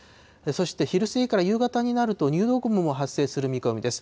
そして、昼過ぎから夕方になると、入道雲も発生する見込みです。